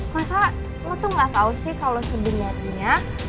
masa lu tuh gak tau sih kalau sebenarnya